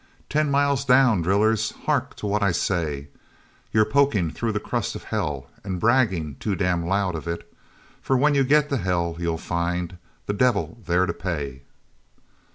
Ten miles down, drillers! Hark to what I say: You're pokin' through the crust of hell And braggin' too damn loud of it, For, when you get to hell, you'll find The devil there to pay."